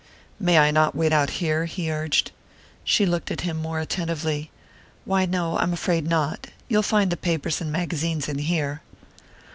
"May I not wait out here?" he urged. She looked at him more attentively. "Why, no, I'm afraid not. You'll find the papers and magazines in here."